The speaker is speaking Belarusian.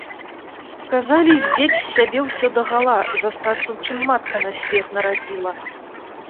Казалі здзець з сябе ўсё дагала, застацца у чым матка на свет нарадзіла.